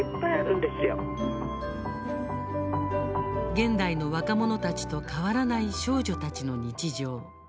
現代の若者たちと変わらない少女たちの日常。